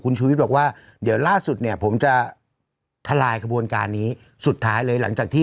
แล้วจะทำวีซ่า